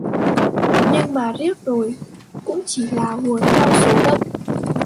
Nhưng mà riết rồi cũng chỉ là hùa theo số đông